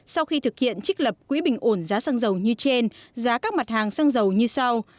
sau khi thực hiện trích lập quỹ bình ổn giá xăng dầu như trên giá các mặt hàng xăng dầu như sau